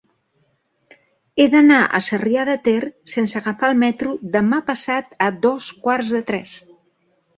He d'anar a Sarrià de Ter sense agafar el metro demà passat a dos quarts de tres.